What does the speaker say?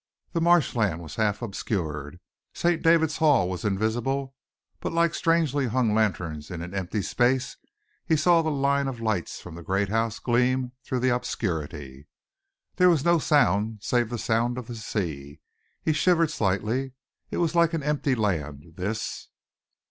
The marshland was half obscured. St. David's Hall was invisible, but like strangely hung lanterns in an empty space he saw the line of lights from the great house gleam through the obscurity. There was no sound save the sound of the sea. He shivered slightly. It was like an empty land, this.